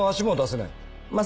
まあ